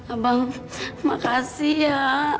abang makasih ya